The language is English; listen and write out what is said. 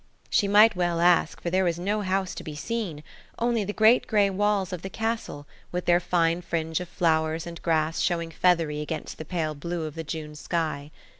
She might well ask, for there was no house to be seen–only the great grey walls of the castle, with their fine fringe of flowers and grass showing feathery against the pale blue of the June sky.